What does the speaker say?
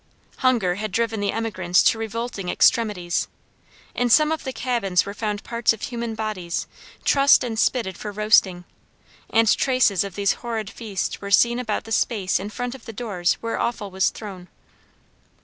Hunger had driven the emigrants to revolting extremities. In some of the cabins were found parts of human bodies trussed and spitted for roasting, and traces of these horrid feasts were seen about the space in front of the doors where offal was thrown.